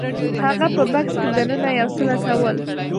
هغه په بکس کې دننه یو څه لټول